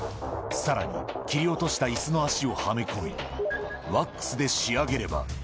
さらに、切り落としたいすの足をはめ込み、ワックスで仕上げれば。